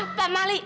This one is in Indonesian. ah pak mali